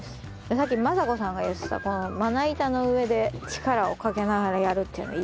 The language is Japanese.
さっき雅子さんが言ってたまな板の上で力をかけながらやるっていうのいいですね。